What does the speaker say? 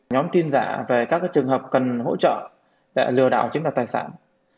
nhóm tin giả về các trường hợp cần hỗ trợ lừa đảo chính đạo tài sản